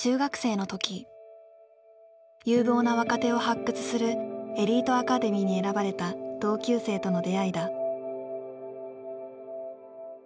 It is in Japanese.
有望な若手を発掘するエリートアカデミーに選ばれた同級生との出会いだ。